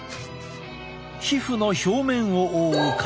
皮膚の表面を覆う角層。